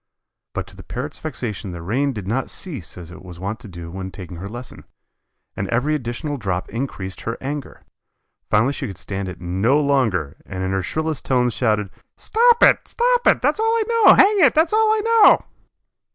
But to the Parrot's vexation the rain did not cease as it was wont to do when taking her lesson, and every additional drop increased her anger. Finally she could stand it no longer, and in her shrillest tones shouted: "Stop it, stop it! That's all I know, hang it, that's all I know!"